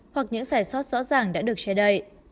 hoặc những giải sót rõ ràng đã được che đậy